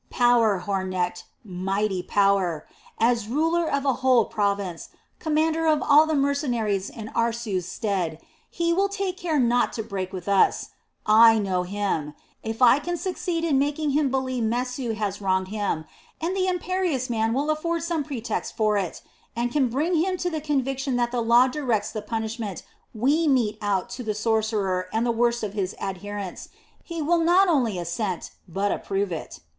"Power, Hornecht mighty power! As ruler of a whole province, commander of all the mercenaries in Aarsu's stead, he will take care not to break with us. I know him. If I can succeed in making him believe Mesu has wronged him and the imperious man will afford some pretext for it and can bring him to the conviction that the law directs the punishment we mete out to the sorcerer and the worst of his adherents, he will not only assent but approve it."